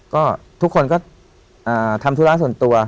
ก็ทุกคนก็ทำธุระส่วนตัว